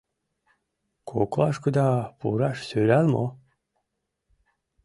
— Коклашкыда пураш сӧрал мо?